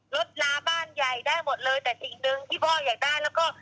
ลาบ้านใหญ่ได้หมดเลยแต่สิ่งหนึ่งที่พ่ออยากได้แล้วก็